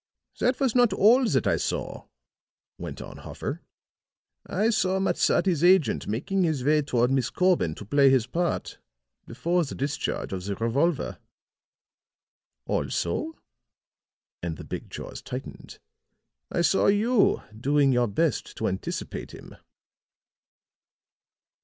"That was not all that I saw," went on Hoffer. "I saw Matsadi's agent making his way toward Miss Corbin to play his part, before the discharge of the revolver. Also," and the big jaws tightened, "I saw you doing your best to anticipate him."